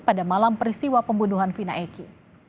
pada malam peristiwa pembunuhan vina eki